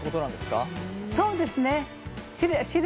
そうですね。